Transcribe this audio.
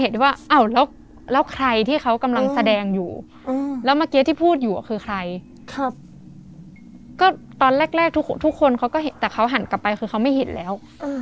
แต่เขาหันกลับไปคือเขาไม่เห็นแล้ว